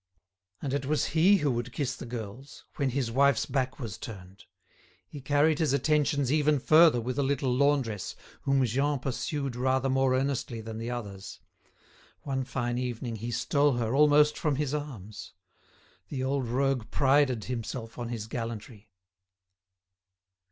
And it was he who would kiss the girls, when his wife's back was turned. He carried his attentions even further with a little laundress whom Jean pursued rather more earnestly than the others. One fine evening he stole her almost from his arms. The old rogue prided himself on his gallantry.